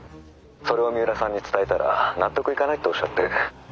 それを三浦さんに伝えたら納得いかないっておっしゃって。